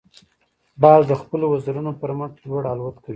باز د خپلو وزرونو پر مټ لوړ الوت کوي